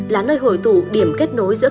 là nơi hồi tụ điểm kết nối giữa các gia đình